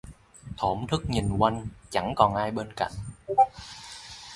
Thổn thức nhìn quanh, chẳng còn ai bên cạnh